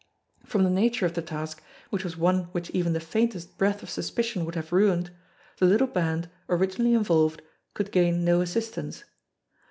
From the nature of the task, which was one which even the faintest breath of suspicion would have ruined, the little band, originally involved, could gain no assistance.